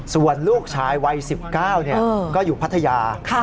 ส่วนลูกชายวัย๑๙เนี่ยก็อยู่พัฒนาแซม